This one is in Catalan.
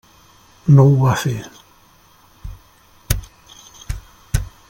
No ho va fer.